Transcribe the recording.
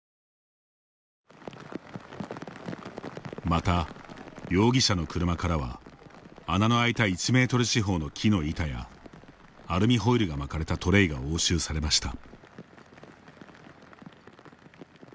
また、容疑者の車からは穴の開いた１メートル四方の木の板やアルミホイルが巻かれたトレイが押収されました。